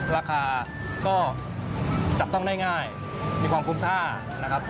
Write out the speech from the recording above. ราคาก็จับต้องได้ง่ายมีความคุ้มค่านะครับ